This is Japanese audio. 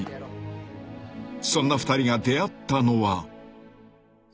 ［そんな２人が出会ったのは］